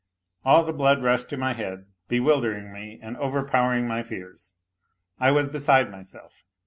All the blood rushed to my head, bewildering me and overpowering my fears. I was beside myself.